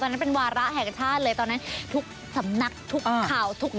นั้นเป็นวาระแห่งชาติเลยตอนนั้นทุกสำนักทุกข่าวทุก